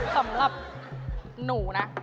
สำหรับหนูนะ